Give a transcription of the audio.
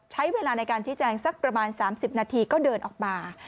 ใช้เวลาในการชี้แจงสักประมาณ๓๐นาทีก็เดินออกมา